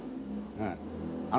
うん。